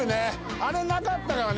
あれなかったからね